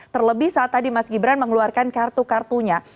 terlebih saat tadi mas gibran mengeluarkan kartu kartunya